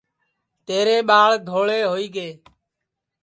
تیرے ٻاݪ دھوڑے ہوئی گے